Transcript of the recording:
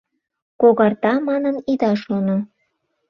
Когарта манын ида шоно.